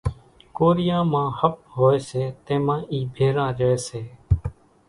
ڪوريان مان ۿپ هوئيَ سي تيمان اِي ڀيران ريئيَ سي۔